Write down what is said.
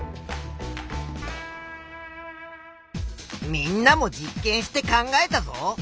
みんなも実験して考えたぞ。